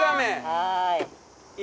はい。